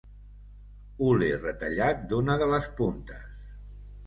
Hule retallat d'una de les puntes.